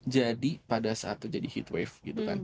jadi pada saat itu jadi heatwave gitu kan